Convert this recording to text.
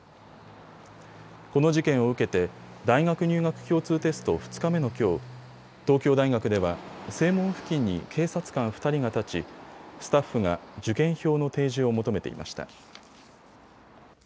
この事件を受けて大学入学共通テスト２日目のきょう、東京大学では正門付近に警察官２人が立ち、スタッフが受験票の提示を求めていました。